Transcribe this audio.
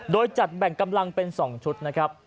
โดยจัดแบ่งกำลังเป็น๒ชุดนะครับ